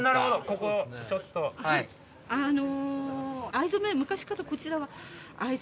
あの。